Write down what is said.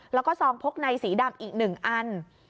แล้วก็ซองพกในสีดำอีก๑อัน